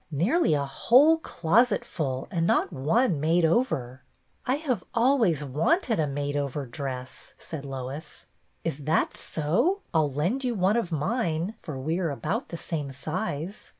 Nearly a whole closet full and not one made over !"" I have always wanted a made over dress," said Lois. " Is that so ? I 'll lend you one of mine, for we are about the same size."